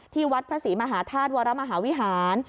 วัดพระศรีมหาธาตุวรมหาวิหาร